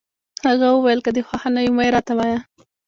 هغه وویل: که دي خوښه نه وي، مه يې راته وایه.